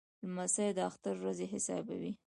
لمسی د اختر ورځې حسابوي.